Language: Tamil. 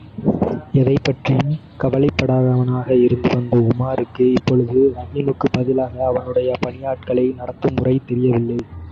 எதைப்பற்றியும் கவலைப்படாதவனாக இருந்துவந்த உமாருக்கு இப்பொழுது ரஹீமுக்குப் பதிலாக அவனுடைய பணியாட்களை நடத்தும்முறை தெரியவில்லை.